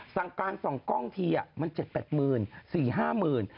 สั่งการส่องกล้องทีมัน๗๘๐บาท๔๕๐๐๐๐บาท